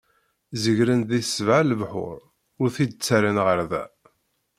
Zegren i sebɛa lebḥur, ur t-id-ttarran ɣer da.